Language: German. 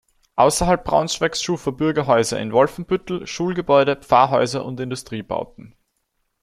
Außerhalb Braunschweigs schuf er Bürgerhäuser in Wolfenbüttel, Schulgebäude, Pfarrhäuser und Industriebauten.